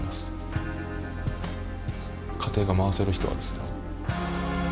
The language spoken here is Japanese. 家庭が回せる人はですね。